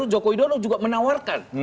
joko widodo juga menawarkan